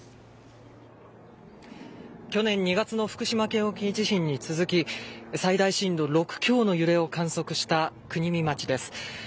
去年２月の福島県沖地震に続き最大震度６強の揺れを観測した国見町です。